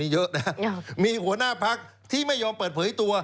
นี่เยอะมีหัวหน้าภักดิ์ที่ไม่ยอมเปิดเปิดให้ตัว